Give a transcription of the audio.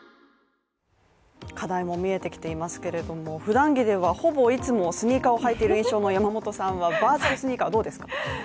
課題も見えてきていますけれども普段着ではほぼいつもスニーカーを履いている印象の山本さんはバーチャルスニーカーはどうですか。